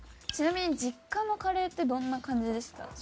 ちなみに実家のカレーってどんな感じでした？